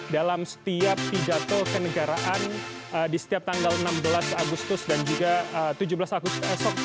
dalam setiap pidato kenegaraan di setiap tanggal enam belas agustus dan juga tujuh belas agustus esok